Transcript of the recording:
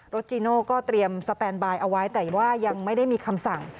จีโน่ก็เตรียมสแตนบายเอาไว้แต่ว่ายังไม่ได้มีคำสั่ง